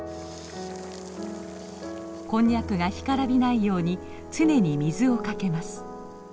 こんにゃくが干からびないように常に水をかけます。